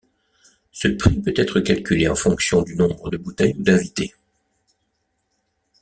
Ce prix peut être calculé en fonction du nombre de bouteilles ou d'invités.